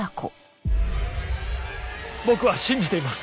僕は信じています。